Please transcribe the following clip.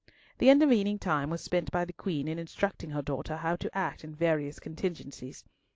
The intervening time was spent by the Queen in instructing her daughter how to act in various contingencies.